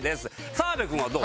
澤部君はどう？